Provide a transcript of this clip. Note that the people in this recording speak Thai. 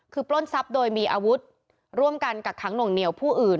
คือปล้นทรัพย์โดยมีอาวุธร่วมกันกักขังหน่วงเหนียวผู้อื่น